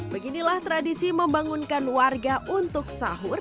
beginilah tradisi membangunkan warga untuk sahur